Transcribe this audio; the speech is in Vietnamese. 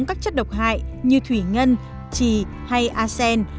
chất thải điện tử có thể giải phóng các chất độc hại như thủy ngân trì hay arsen